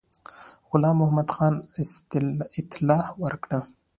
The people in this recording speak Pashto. غلام محمدخان اطلاع ورکړه.